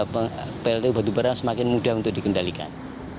pltu batubara semakin mudah untuk dikendalikan